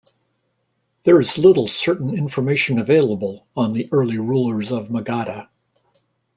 There is little certain information available on the early rulers of Magadha.